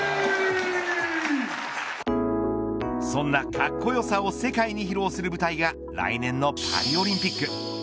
そんなかっこよさを世界に披露する舞台が来年のパリオリンピック。